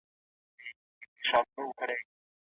دوی به ټول تولیدي عوامل فعال کړي وي.